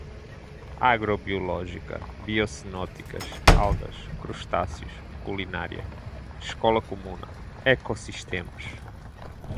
agro-biológica, biocenóticas, algas, crustáceos, culinária, escola-comuna, ecossistemas